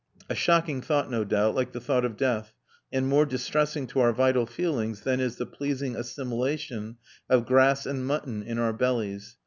A shocking thought, no doubt, like the thought of death, and more distressing to our vital feelings than is the pleasing assimilation of grass and mutton in our bellies.